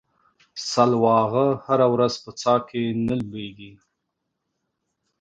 سلواغه هره ورځ په څا کې نه ولېږي.